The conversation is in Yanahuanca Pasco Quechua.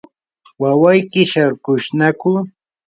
¿wawayki sharkushnaku?